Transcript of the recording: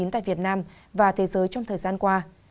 tại việt nam và thế giới trong thời gian qua